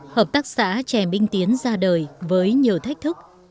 hợp tác xã trè minh tiến ra đời với nhiều thách thức